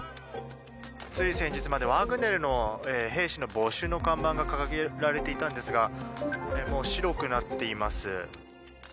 つい先日までワグネルの兵士募集の看板が掲げられていたんですがもう白くなっています。